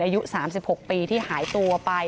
อายุ๓๖ปีที่หายตัวไป